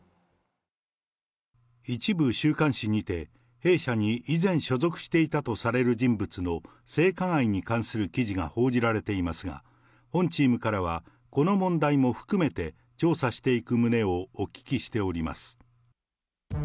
一部週刊誌にて、弊社に以前所属していたとされる人物の性加害に関する記事が報じられていますが、本チームからは、この問題も含めて調査していく旨をお聞きしております。